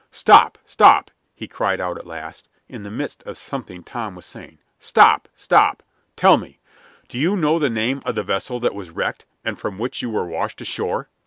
"Stop! stop!" he cried out at last, in the midst of something Tom was saying. "Stop! stop! Tell me; do you know the name of the vessel that was wrecked, and from which you were washed ashore?"